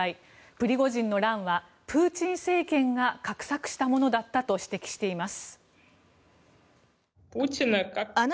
プリゴジンの乱はプーチン政権が画策したものだったと指摘しています。